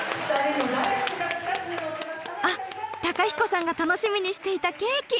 あっ公彦さんが楽しみにしていたケーキ！